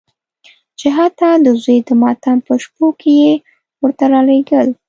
چې حتی د زوی د ماتم په شپو کې یې ورته رالېږل.